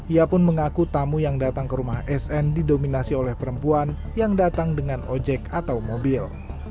ia pun mengaku tamu yang datang ke rumah sn didominasi oleh perempuan yang datang dengan ojek atau mobil